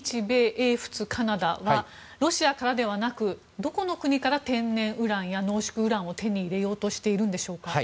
英仏カナダはロシアからではなくどこの国から天然ウランや濃縮ウランを手に入れようとしているんでしょうか。